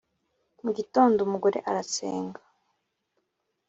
mu gitondo umugore arasenga